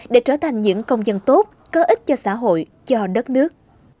để trở thành những công dân tốt có ích cho xã hội cho đất nước